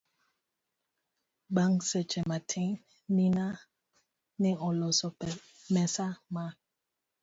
Bang' seche matin, Nina ne oloso mesa ma